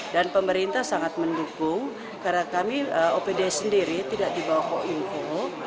dan pemerintah sangat mendukung karena kami opd sendiri tidak dibawa ke info